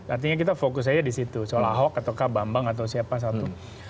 artinya kita fokus aja di situ soal ahok atau kak bambang atau siapa satu